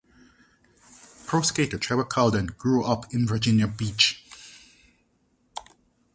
Pro skateboarder Trevor Colden grew up in Virginia Beach.